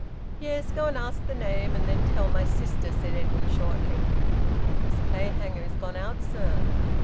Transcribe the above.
"Yes. Go and ask the name, and then tell my sister," said Edwin shortly. "Miss Clayhanger is gone out, sir."